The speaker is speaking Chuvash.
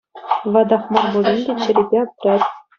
Ватах мар пулин те, чӗрипе аптрать.